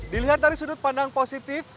dilihat dari sudut pandang positif